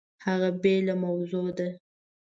هغه بېله موضوع ده!